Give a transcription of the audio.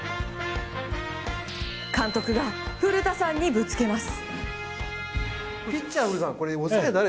監督が古田さんにぶつけます。